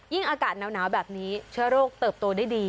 อากาศหนาวแบบนี้เชื้อโรคเติบโตได้ดี